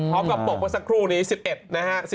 พร้อมกับปกประสาทครู่นี้๑๑นะฮะ